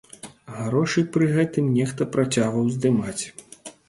Грошы пры гэтым нехта працягваў здымаць.